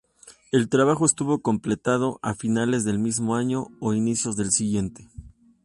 El trabajo estuvo completado a finales del mismo año o inicios del siguiente.